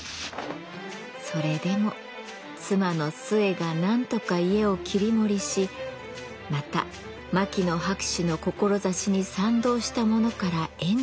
それでも妻の寿衛がなんとか家を切り盛りしまた牧野博士の志に賛同した者から援助を受け。